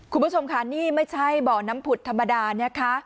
คุณผู้ชมค่ะนี่ไม่ใช่บ่อน้ำผุดธรรมดานะคะ